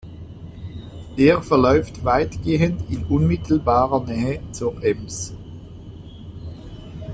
Er verläuft weitgehend in unmittelbarer Nähe zur Ems.